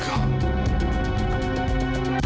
aku harus menunggu dia